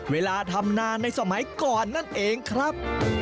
เวลาทำนานในสมัยก่อนนั่นเองครับ